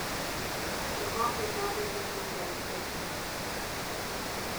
The song has not been performed live since then.